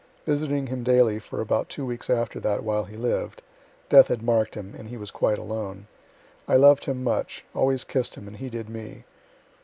Visiting him daily for about two weeks after that, while he lived, (death had mark'd him, and he was quite alone,) I loved him much, always kiss'd him, and he did me.